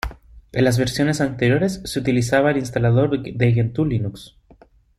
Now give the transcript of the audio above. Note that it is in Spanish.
En las versiones anteriores, se utilizaba el "instalador de Gentoo Linux".